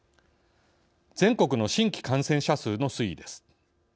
全国の新規感染者数の推移です。